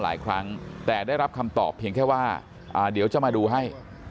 หลายครั้งแต่ได้รับคำตอบเพียงแค่ว่าเดี๋ยวจะมาดูให้